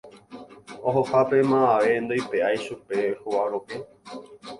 Ohohápe mavave ndoipe'ái chupe hóga rokẽ.